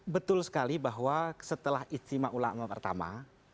betul sekali bahwa setelah istimewa ulama pertama